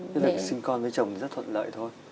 thế là sinh con với chồng rất thuận lợi thôi